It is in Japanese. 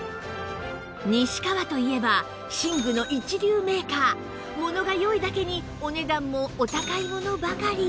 西川といえば寝具の一流メーカーものが良いだけにお値段もお高いものばかり